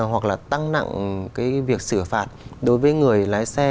hoặc là tăng nặng cái việc xử phạt đối với người lái xe